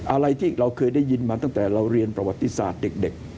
อะไรที่เราเคยได้ยินมาตั้งแต่เราเรียนประวัติศาสตร์เด็ก